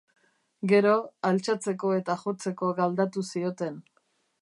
Gero, altxatzeko eta jotzeko galdatu zioten.